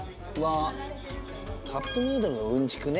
カップヌードルのウンチクね。